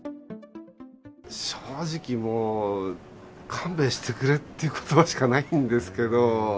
正直もう、勘弁してくれっていうことばしかないんですけど。